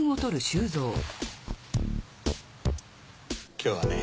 今日はね